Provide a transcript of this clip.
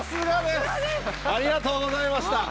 ありがとうございます。